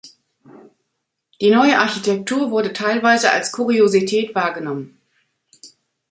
Die neue Architektur wurde teilweise als Kuriosität wahrgenommen.